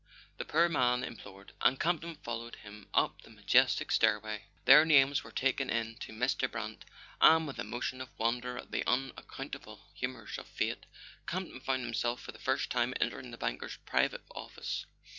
the poor man implored; and Camp ton followed him up the majestic stairway. Their names were taken in to Mr. Brant, and with a motion of wonder at the unaccountable humours of fate, Campton found himself for the first time entering the banker's private office.